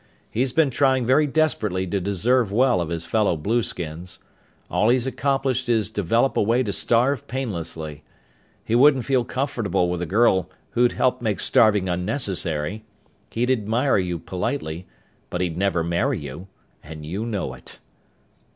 He's been trying very desperately to deserve well of his fellow blueskins. All he's accomplished is develop a way to starve painlessly. He wouldn't feel comfortable with a girl who'd helped make starving unnecessary. He'd admire you politely, but he'd never marry you. And you know it."